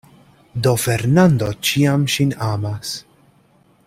Do Fernando ĉiam ŝin amas.